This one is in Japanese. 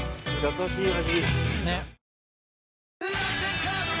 優しい味。